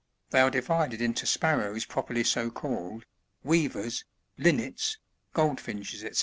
They are divided into Sparrows properly so called, Weavers, Linnets, Groldfinches, &c.